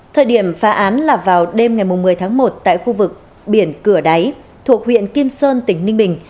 thời điểm phá án là vào đêm ngày một mươi tháng một tại khu vực biển cửa đáy thuộc huyện kim sơn tỉnh ninh bình